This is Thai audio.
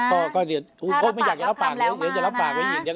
ก็ก็เดี๋ยวพวกไม่อยากจะรับปากแล้วเดี๋ยวจะรับปากไว้อีก